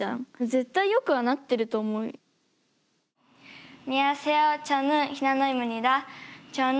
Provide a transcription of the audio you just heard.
絶対よくはなってると思うよ。